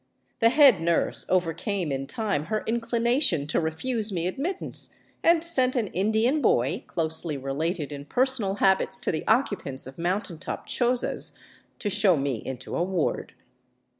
The head nurse overcame in time her inclination to refuse me admittance, and sent an Indian boy, closely related in personal habits to the occupants of moun tain top chozas, to show me into a ward.